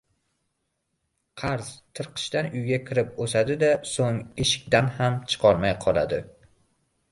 • Qarz tirqishdan uyga kirib, o‘sadi-da, so‘ng eshikdan ham chiqolmay qoladi.